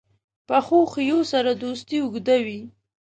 پخو خویو سره دوستي اوږده وي